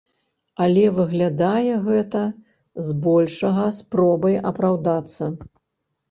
Але выглядае гэта збольшага спробай апраўдацца.